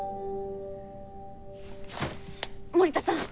森田さん。